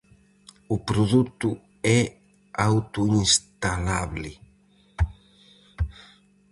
O produto é autoinstalable.